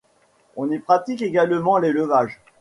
On y pratique également l'élevage.